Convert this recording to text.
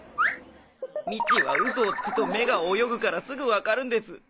ミッチーはウソをつくと目が泳ぐからすぐわかるんです。